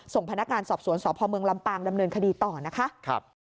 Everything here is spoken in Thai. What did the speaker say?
ส่งพนักงานสอบสวนสพเมืองลำปางดำเนินคดีต่อนะคะ